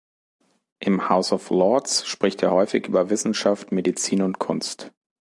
Im House of Lords spricht er häufig über Wissenschaft, Medizin und Kunst.